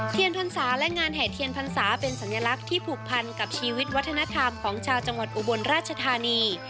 เทียนพรรษาและงานแห่เทียนพรรษาเป็นสัญลักษณ์ที่ผูกพันกับชีวิตวัฒนธรรมของชาวจังหวัดอุบลราชธานี